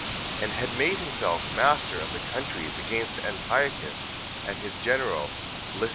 And had made himself master of the countries against Antiochus, and his general, Lysias.